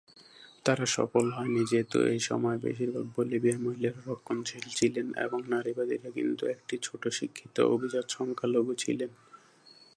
তারা সফল হয়নি, যেহেতু এই সময়ে বেশিরভাগ বলিভিয়ার মহিলারা রক্ষণশীল ছিলেন এবং নারীবাদীরা কিন্তু একটি ছোট শিক্ষিত অভিজাত সংখ্যালঘু ছিলেন।